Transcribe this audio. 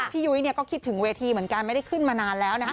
ยุ้ยก็คิดถึงเวทีเหมือนกันไม่ได้ขึ้นมานานแล้วนะคะ